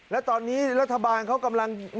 และตอนนี้รัฐบาลเขากำลัง